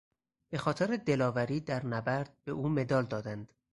به خاطر دلاوری در نبرد به او مدال دادند.